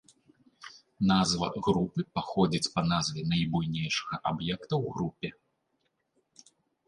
Назва групы паходзіць па назве найбуйнейшага аб'екта ў групе.